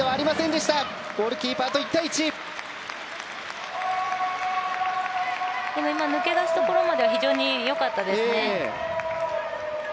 でも今、抜け出すところまでは非常に良かったですね。